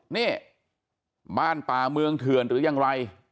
นี่บ้านป่าเมืองเถื่อนหรือยังไร